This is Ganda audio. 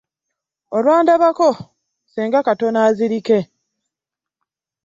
Olwandabako ssenga katono azirike.